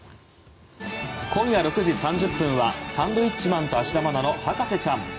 今夜６時３０分は「サンドウィッチマン＆芦田愛菜の博士ちゃん」。